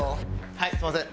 はいすみません。